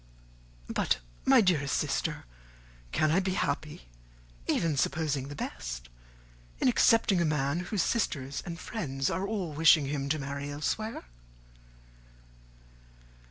"But, my dear sister, can I be happy, even supposing the best, in accepting a man whose sisters and friends are all wishing him to marry elsewhere?"